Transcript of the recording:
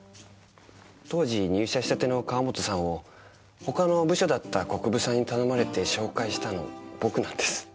当時入社したての川本さんを他の部署だった国分さんに頼まれて紹介したの僕なんです。